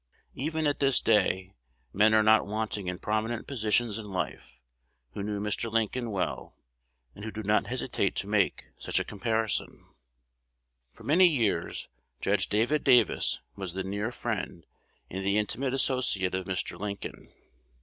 Even at this day, men are not wanting in prominent positions in life, who knew Mr. Lincoln well, and who do not hesitate to make such a comparison. [Illustration: Judge David Davis 349] For many years, Judge David Davis was the near friend and the intimate associate of Mr. Lincoln.